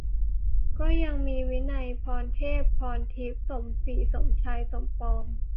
ก็ยังมี วินัย พรเทพ พรทิพย์ สมศรี สมชาย สมปอง